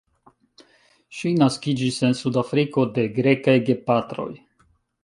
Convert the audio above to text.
Ŝi naskiĝis en Sudafriko de grekaj gepatroj.